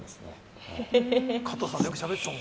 加藤さんとよく喋ってたもん。